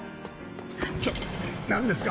ちょっなんですか？